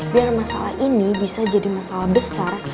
biar masalah ini bisa jadi masalah besar